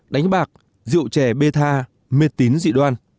chín đánh bạc rượu trẻ bê tha mệt tín dị đoan